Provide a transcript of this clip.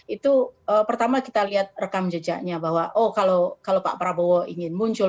itu pertama kita lihat rekam jejaknya bahwa oh kalau pak prabowo ingin muncul